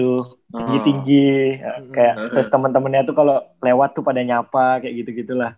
tinggi tinggi kayak terus temen temennya tuh kalau lewat tuh pada nyapa kayak gitu gitu lah